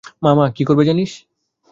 মামা কী করবে জানিস?